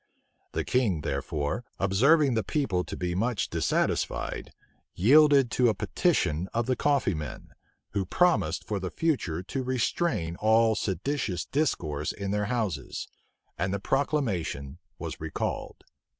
The king, therefore, observing the people to be much dissatisfied, yielded to a petition of the coffee men, who promised for the future to restrain all seditious discourse in their houses; and the proclamation was recalled.